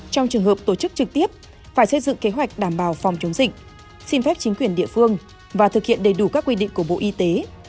trong trường hợp tổ chức trực tiếp phải xây dựng kế hoạch đảm bảo phòng chống dịch xin phép chính quyền địa phương và thực hiện đầy đủ các quy định của bộ y tế